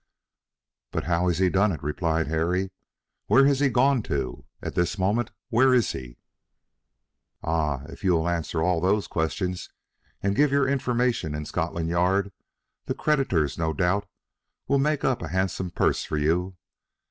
"But how has he done it?" replied Harry. "Where has he gone to? At this moment where is he?" "Ah, if you will answer all those questions, and give your information in Scotland Yard, the creditors, no doubt, will make up a handsome purse for you.